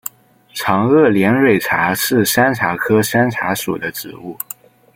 长萼连蕊茶是山茶科山茶属的植物。